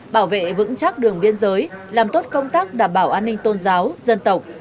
bảo vệ vững chắc đường biên giới làm tốt công tác đảm bảo an ninh tôn giáo dân tộc